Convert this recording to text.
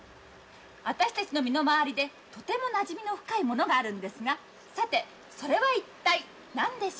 私たちの身の回りでとてもなじみの深いものがあるんですがさてそれはいったい何でしょうか？」